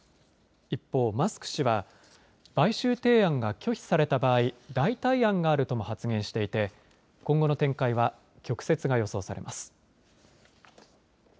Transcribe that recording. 一方、マスク氏は買収提案が拒否された場合、代替案があるとも発言していて今後の展開は曲折が予想されます。